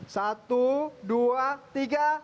satu dua tiga